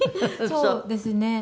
そうですね。